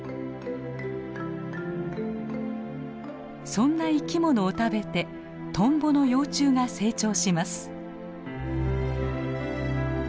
そんな生き物を食べてトンボの幼虫が成長します。